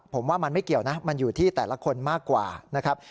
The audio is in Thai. ผมว่ามันไม่เกี่ยวนะมันอยู่ที่แต่ละคนมากกว่านะครับ